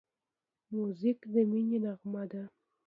موزیک د مینې نغمه ده.